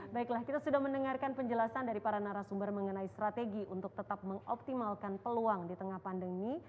baiklah kita sudah mendengarkan penjelasan dari para narasumber mengenai strategi untuk tetap mengoptimalkan peluang di tengah pandemi